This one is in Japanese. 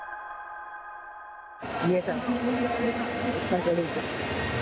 新谷さん、お疲れさまでした。